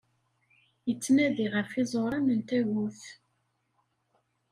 Yettnadi ɣef iẓuran n tagut.